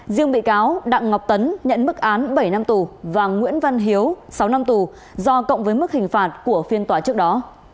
riêng bị cáo đặng ngọc tấn nhận mức án bảy năm tù và nguyễn văn hiếu sáu năm tù do cộng với mức hình phạt của phiên tòa trước đó